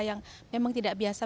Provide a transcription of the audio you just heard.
yang memang tidak biasa